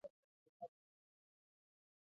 نفت د افغانستان د طبیعت د ښکلا برخه ده.